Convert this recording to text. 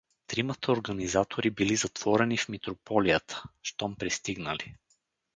Тримата организатори били затворени в митрополията, щом пристигнали.